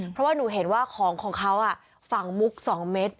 เพราะว่าหนูเห็นว่าของของเขาฝั่งมุก๒เม็ด